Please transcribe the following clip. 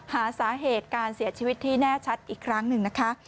หาสาเหตุการเสียชีวิตที่แน่ชัดอีกครั้งหนึ่งนะคะ